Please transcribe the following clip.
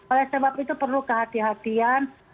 oleh sebab itu perlu kehati hatian